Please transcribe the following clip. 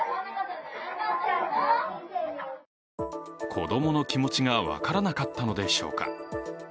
子供の気持ちが分からなかったのでしょうか。